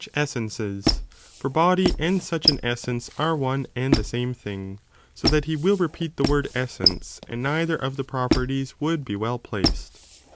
447 essences, for body and such an essence are one and the same thing, so that he will repeat the word essence, and neither of the properties would be well placed.